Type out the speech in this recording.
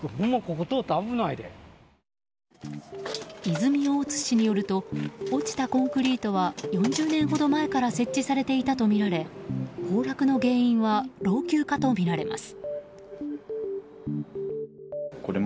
泉大津市によると落ちたコンクリートは４０年ほど前から設置されていたとみられ崩落の原因は老朽化とみられます。